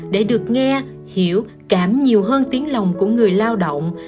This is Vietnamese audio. để được nghe hiểu cảm nhiều hơn tiếng lòng của người lao động